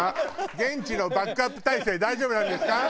現地のバックアップ体制大丈夫なんですか？